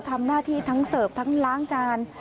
ทำหน้าที่ทั้งเสิร์ฟทั้งล้างจาน